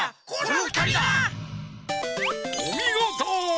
おみごと！